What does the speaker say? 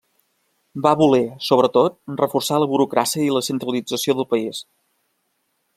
Va voler, sobretot, reforçar la burocràcia i la centralització del país.